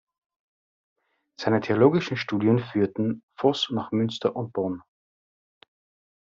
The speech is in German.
Seine theologischen Studien führten Voß nach Münster und Bonn.